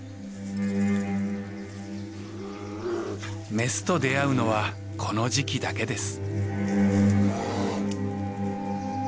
メスと出会うのはこの時期だけです。